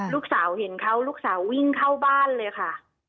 ลูกสาวเห็นเขาลูกสาววิ่งเข้าบ้านเลยค่ะ